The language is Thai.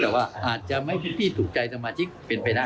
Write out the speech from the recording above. แต่ว่าอาจจะไม่พี่ถูกใจสมาชิกเป็นไปได้